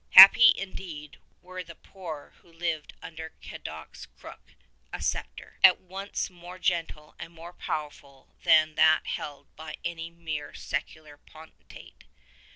Happy indeed were the poor who lived under Cadoc's crook — a sceptre 125 at once more gentle and more powerful than that held by any mere secular potentate.